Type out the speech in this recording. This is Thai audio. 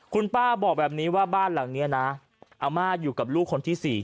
คุณป้าบอกแบบนี้ว่าบ้านหลังนี้นะอาม่าอยู่กับลูกคนที่๔